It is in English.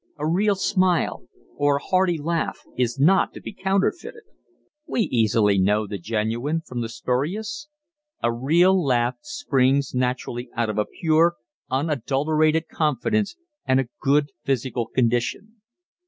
A real smile, or a hearty laugh, is not to be counterfeited. We easily know the genuine from the spurious. A real laugh springs naturally out of a pure, unadulterated confidence and a good physical condition.